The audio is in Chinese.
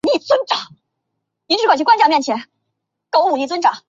氨甲环酸能够显着降低经血过多妇女的血量损失。